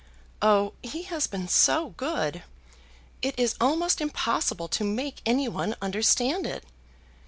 Oh, he has been so good! It is almost impossible to make any one understand it.